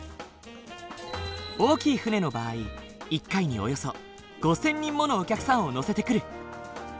大きい船の場合一回におよそ５，０００人ものお客さんを乗せてくる。